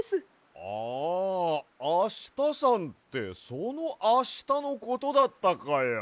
ああしたさんってそのあしたのことだったかや。